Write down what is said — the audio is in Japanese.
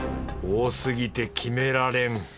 多すぎて決められん